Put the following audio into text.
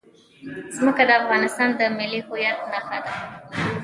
ځمکه د افغانستان د ملي هویت نښه ده.